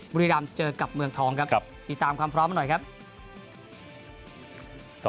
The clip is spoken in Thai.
บุรีรำเจอกับเมืองทองครับติดตามความพร้อมหน่อยครับ